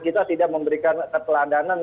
kita tidak memberikan keteladanan